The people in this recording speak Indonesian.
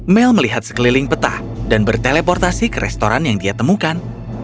mel melihat sekeliling peta dan berteleportasi ke restoran yang dia temukan